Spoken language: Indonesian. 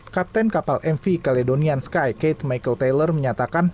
kapten kapal mv caledonian sky kate michael taylor menyatakan